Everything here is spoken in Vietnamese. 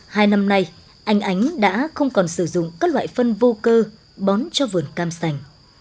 hai năm nay anh ánh đã không còn sử dụng các loại phân vô cơ bón cho vườn cam sành